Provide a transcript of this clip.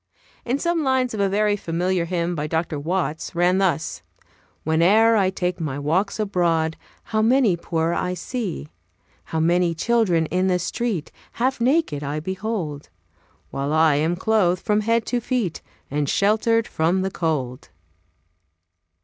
And some lines of a very familiar hymn by Dr. Watts ran thus: "Whene'er I take my walks abroad, How many poor I see. ............ "How many children in the street Half naked I behold; While I am clothed from head to feet, And sheltered from the cold."